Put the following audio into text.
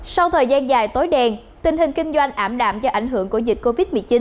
sau thời gian dài tối đen tình hình kinh doanh ảm đạm do ảnh hưởng của dịch covid một mươi chín